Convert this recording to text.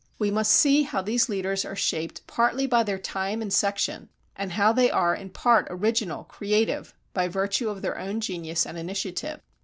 We must see how these leaders are shaped partly by their time and section, and how they are in part original, creative, by virtue of their own genius and initiative.